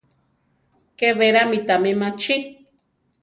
Ke berá mi tami machí.